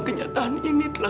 aku menderita karena menengah